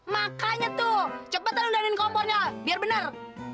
makanya tuh cepetan undangin kompornya biar bener